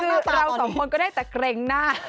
คือเราสองคนก็ได้แต่เกรงหน้า